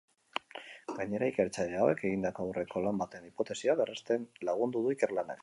Gainera, ikertzaile hauek egindako aurreko lan baten hipotesia berresten lagundu du ikerlanak.